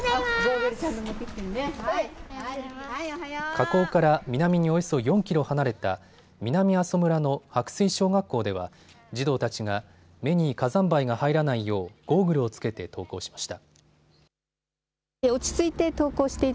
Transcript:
火口から南におよそ４キロ離れた南阿蘇村の白水小学校では児童たちが目に火山灰が入らないようゴーグルをつけて登校しました。